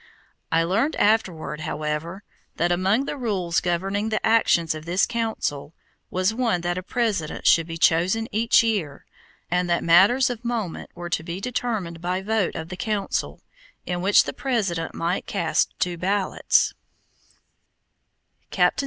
I learned afterward, however, that among the rules governing the actions of this Council, was one that a President should be chosen each year, and that matters of moment were to be determined by vote of the Council, in which the President might cast two ballots.